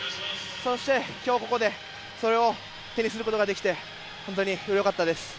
そして今日ここで、それを手にすることができて本当によかったです。